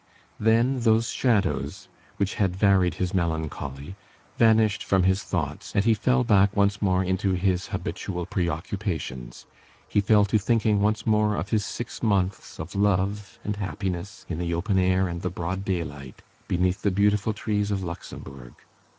Then those shadows which had varied his melancholy vanished from his thoughts, and he fell back once more into his habitual preoccupations. He fell to thinking once more of his six months of love and happiness in the open air and the broad daylight, beneath the beautiful trees of Luxembourg.